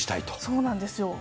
そうなんですよ。